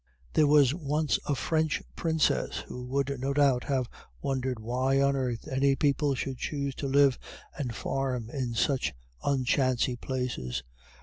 There was once a French princess who would no doubt have wondered why on earth any people should choose to live and farm in such unchancy places.